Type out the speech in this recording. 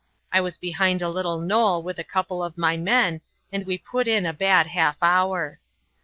I was behind a little knoll with a couple of my men, and we put in a bad half hour.